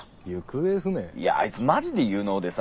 いやあいつマジで有能でさ。